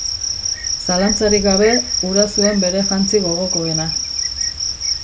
Zalantzarik gabe, hura zuen bere jantzi gogokoena.